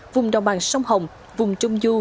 vùng đồng bằng sông hồng vùng trung du